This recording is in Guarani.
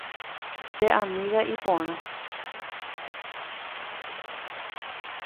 Che amiga iporã.